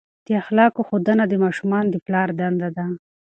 د اخلاقو ښودنه د ماشومانو د پلار دنده ده.